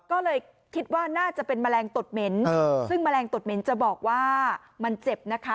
ก็เลยคิดว่าน่าจะเป็นแมลงตดเหม็นซึ่งแมลงตดเหม็นจะบอกว่ามันเจ็บนะคะ